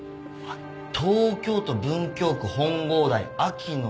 「東京都文京区本郷台秋野繭子」